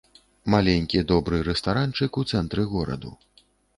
Маленькі добры рэстаранчык у цэнтры гораду.